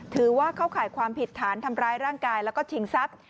ถือว่าเข้าข่ายความผิดฐานทำร้ายร่างกายแล้วก็ชิงทรัพย์